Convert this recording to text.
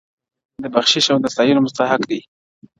د بخشش او د ستایلو مستحق دی،